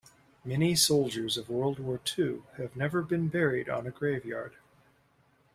Many soldiers of world war two have never been buried on a grave yard.